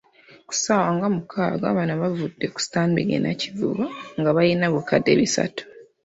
Ku ssaawa nga mukaaga bano baavudde ku Stanbic e Nakivubo nga balina obukadde bisatu.